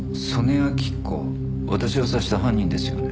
私を刺した犯人ですよね？